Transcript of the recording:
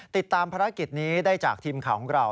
ติดตามภารกิจนี้ได้จากทีมข่าวของเรา